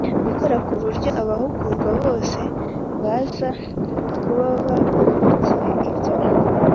Gukora ku buryo abahugurwa bose baza kuba bakurikiye ibyo